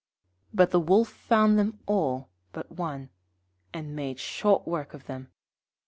But the Wolf found them all but one, and made short work of them.